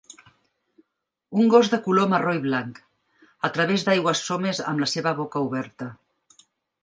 Un gos de color marró i blanc A través d'aigües somes amb la seva boca oberta.